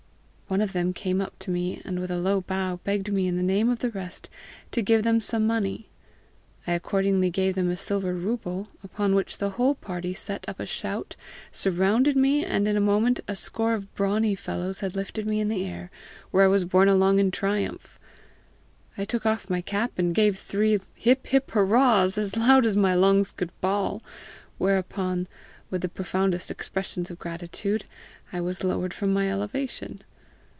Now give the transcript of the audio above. One of them came up to me and with a low bow begged me in the name of the rest to give them some money. I accordingly gave them a silver ruble, upon which the whole party set up a shout, surrounded me, and in a moment a score of brawny fellows had lifted me in the air, where I was borne along in triumph. I took off my cap and gave three hip hip hurrahs as loud as my lungs could bawl, whereupon, with the profoundest expressions of gratitude, I was lowered from my elevation.